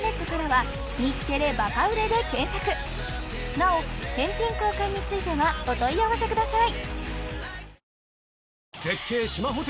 なお返品・交換についてはお問い合わせください